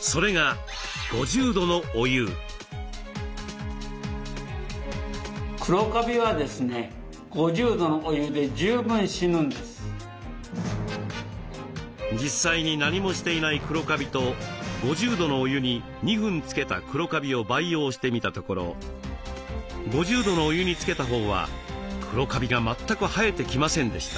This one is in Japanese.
それが実際に何もしていないクロカビと５０度のお湯に２分つけたクロカビを培養してみたところ５０度のお湯につけたほうはクロカビが全く生えてきませんでした。